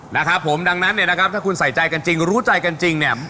นะครับผมดังนั้นเนี่ยนะครับถ้าคุณใส่ใจกันจริงรู้ใจกันจริงเนี่ย